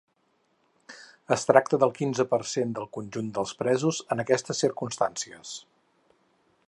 Es tracta del quinze per cent del conjunt dels presos en aquestes circumstàncies.